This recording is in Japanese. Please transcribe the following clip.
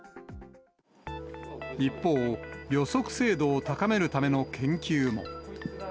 一方、予測精度を高めるための研究も。